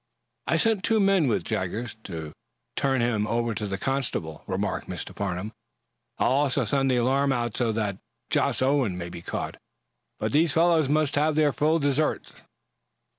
"I'll send two men with Jaggers, to turn him over to the constable," remarked Mr. Farnum. "I'll also send the alarm out so that Josh Owen may be caught. Both these fellows must have their full deserts."